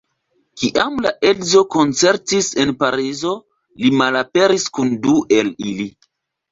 Kiam la edzo koncertis en Parizo, li malaperis kun du el ili.